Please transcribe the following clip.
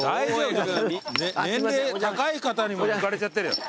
年齢高い方にも抜かれちゃってるよ。